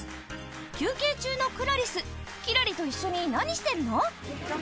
休憩中のクラリスキラリと一緒に何してるの？